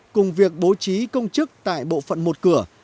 cùng việc bố trí công chức tại bộ phận một cửa